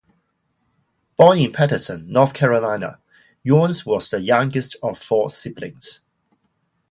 Born in Patterson, North Carolina, Younce was the youngest of four siblings.